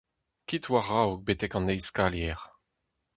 Kit war-raok betek an eil skalier.